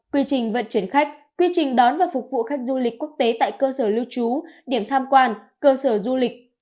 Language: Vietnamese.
quy trình vận chuyển khách quy trình đón và phục vụ khách du lịch quốc tế tại cơ sở lưu trú điểm tham quan cơ sở du lịch